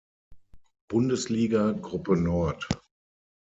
Bundesliga, Gruppe Nord.